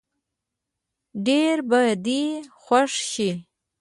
ډېر به دې خوښ شي.